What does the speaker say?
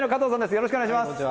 よろしくお願いします。